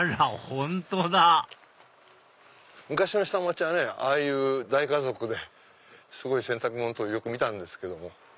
本当だ昔の下町はねああいう大家族ですごい洗濯物とかよく見たんですけども。